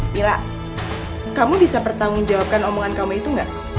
mila kamu bisa bertanggung jawabkan omongan kamu itu gak